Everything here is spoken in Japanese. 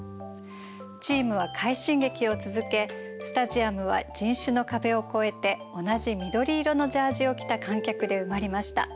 チームは快進撃を続けスタジアムは人種の壁を超えて同じ緑色のジャージを着た観客で埋まりました。